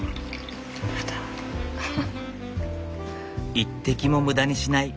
一滴も無駄にしない。